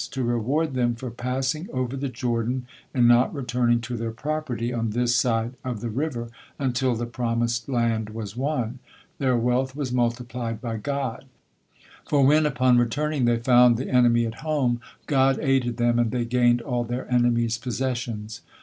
To reward them for passing over the Jordan and not returning to their property on this side of the river until the promised land was won, their wealth was multiplied by God; for when, upon returning, they found the enemy at home, God aided them and they gained all their enemies possessions.